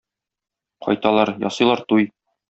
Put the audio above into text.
Кайталар, ясыйлар туй.